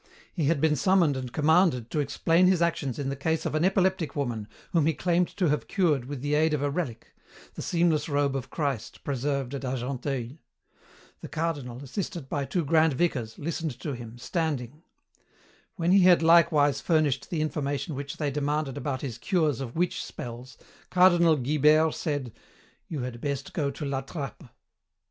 He had been summoned and commanded to explain his actions in the case of an epileptic woman whom he claimed to have cured with the aid of a relic, the seamless robe of Christ preserved at Argenteuil. The Cardinal, assisted by two grand vicars, listened to him, standing. "When he had likewise furnished the information which they demanded about his cures of witch spells, Cardinal Guibert said, 'You had best go to La Trappe.'